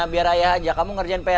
biar ayah aja kamu ngerjain pr